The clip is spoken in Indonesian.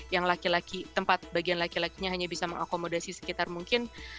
yang laki laki tempat bagian laki lakinya hanya bisa mengakomodasi sekitar mungkin